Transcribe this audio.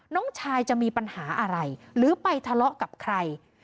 น้องชายจะมีปัญหาอะไรหรือไปทะเลาะกับใคร